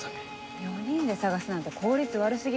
４人で捜すなんて効率悪過ぎ。